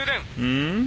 うん？